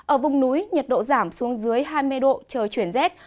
ở vùng núi nhiệt độ giảm xuống dưới hai mươi độ trời chuyển rét